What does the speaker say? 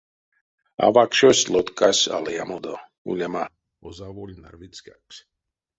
Авакшось лоткась алыямодо, улема, озаволь нарвицькакс.